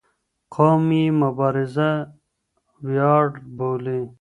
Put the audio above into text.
قوم یې مبارزه ویاړ بولي